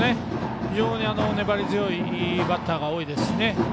非常に粘り強いバッターが多いですしね